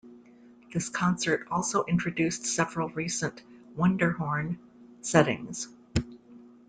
This concert also introduced several recent "Wunderhorn" settings.